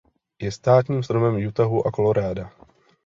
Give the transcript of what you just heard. Je státním stromem Utahu a Colorada.